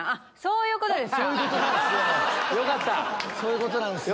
そういうことなんすよ。